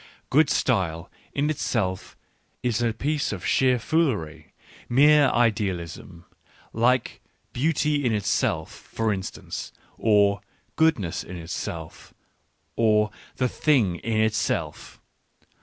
Good style, in itself, is a piece of sheer foolery, mere idealism, like " beauty in itself," for instance, or "goodness in itself," or "the thing in itself."